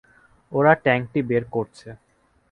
ওরা ট্যাঙ্কটি বের করছে।